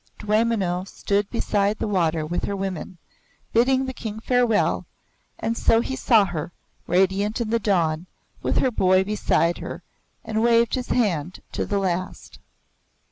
Dwaymenau stood beside the water with her women, bidding the King farewell, and so he saw her, radiant in the dawn, with her boy beside her, and waved his hand to the last.